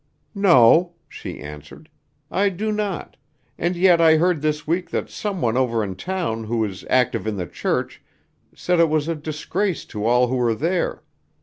"No," she answered, "I do not; and yet I heard this week that some one over in town who is active in the church said it was a disgrace to all who were there.